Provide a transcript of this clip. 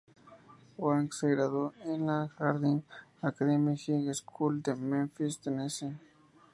Wang se graduó de la Harding Academy High School en Memphis, Tennessee.